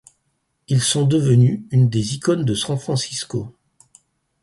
Ils sont devenus une des icônes de San Francisco.